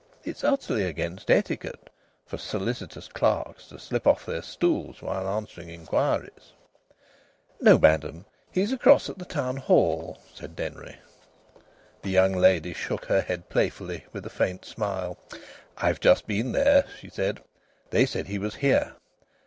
It is utterly against etiquette for solicitors' clerks to slip off their stools while answering inquiries.) "No, madam; he's across at the Town Hall," said Denry. The young lady shook her head playfully, with a faint smile. "I've just been there," she said. "They said he was here."